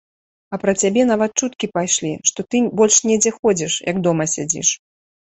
А пра цябе нават чуткі пайшлі, што ты больш недзе ходзіш, як дома сядзіш.